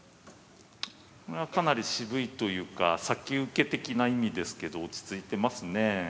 これはかなり渋いというか先受け的な意味ですけど落ち着いてますねえ。